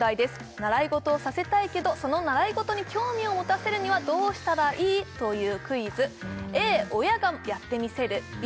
習い事をさせたいけどその習い事に興味を持たせるにはどうしたらいい？というクイズＡ親がやってみせるＢ